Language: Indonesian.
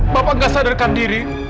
bapak gak sadarkan diri